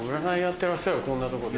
てらっしゃるこんなとこで。